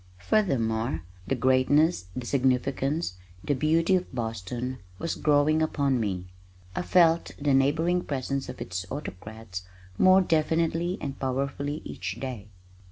Furthermore, the greatness, the significance, the beauty of Boston was growing upon me. I felt the neighboring presence of its autocrats more definitely and powerfully each day.